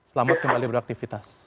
selamat kembali beraktifitas